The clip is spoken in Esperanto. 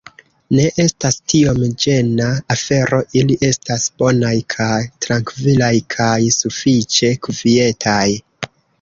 Ne estas tiom ĝena afero ili estas bonaj kaj trankvilaj kaj sufiĉe kvietaj